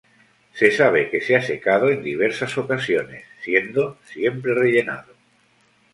Se sabe que se ha secado en diversas ocasiones, siendo siempre rellenado.